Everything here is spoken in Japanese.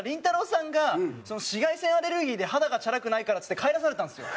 さんが紫外線アレルギーで肌がチャラくないからっつって帰らされたんですよ。